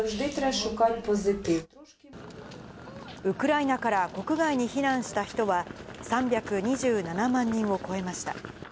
ウクライナから国外に避難した人は、３２７万人を超えました。